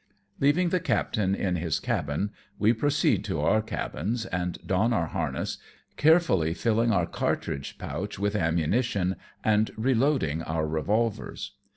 '' Leaving the captain in his cabin, we proceed to our cabins and don our harness, carefully filling onr cartridge pouch with ammunition, and reloading our revolvers.